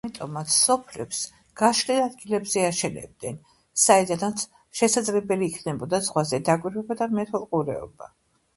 ამიტომაც სოფლებს გაშლილ ადგილებზე აშენებდნენ, საიდანაც შესაძლებელი იქნებოდა ზღვაზე დაკვირვება და მეთვალყურეობა.